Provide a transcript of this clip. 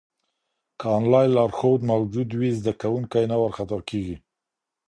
که انلاین لارښود موجود وي، زده کوونکی نه وارخطا کېږي.